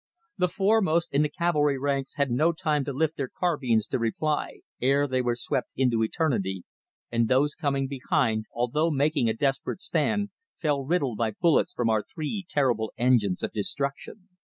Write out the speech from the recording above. The foremost in the cavalry ranks had no time to lift their carbines to reply, ere they were swept into eternity, and those coming behind, although making a desperate stand, fell riddled by bullets from our three terrible engines of destruction.